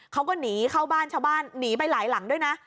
เขาก็หนีเข้าบ้านชาวบ้านหนีไปหลายหลังด้วยนะ